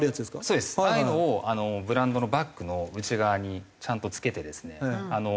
そうですああいうのをブランドのバッグの内側にちゃんと付けてですね。